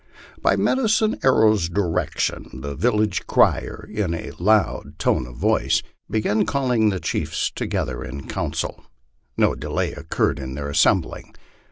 By Medicine Arrow's direction the village crier, in a loud tone of voice, began calling the chiefs together in council. No delay occurred in their assembling.